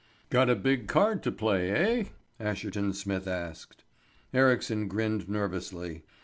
"Got a big card to play, eh?" Asherton Smith asked. Ericsson grinned nervously.